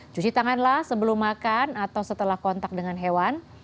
cuci tanganlah sebelum makan atau setelah kontak dengan hewan